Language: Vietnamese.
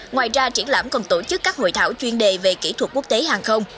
ngoài ra triển lãm còn tổ chức các hội thảo chuyên đề về kỹ thuật quốc tế hàng không